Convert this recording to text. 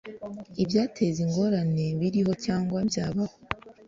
ibyateza ingorane biriho cyangwa byabaho